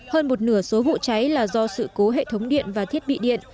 hơn một nửa số vụ cháy là do sự cố hệ thống điện và thiết bị điện